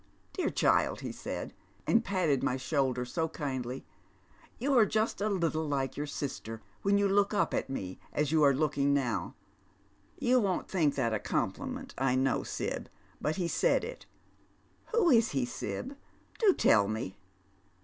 * Dear child,' he said, and patted my shoulder so kindly, ' you are just a little like your Eister when you look up at me as you are looking now.' You v/on't think that a compliment, I know, Sib, but he said it. Who is he, Sib ? Do tell me."